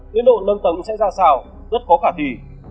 tiến độ nâng tầng sẽ ra sao rất khó khả thi